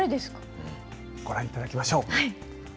ご覧いただきましょう。